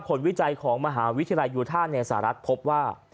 ผลวิจัยของมหาวิทยาลัยยูธาเนซารัสพบว่า